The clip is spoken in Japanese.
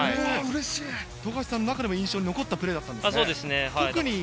富樫さんの中でも印象に残ったプレーだったんですね。